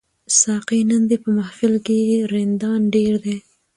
ساقي نن دي په محفل کي رندان ډیر دي